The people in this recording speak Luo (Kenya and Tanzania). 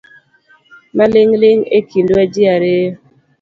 Maling’ling’ ekindwa ji ariyo